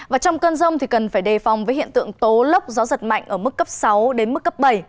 và trong cơn rông cần phải đề phòng với hiện tượng tố lốc gió giật mạnh ở mức cấp sáu đến mức cấp bảy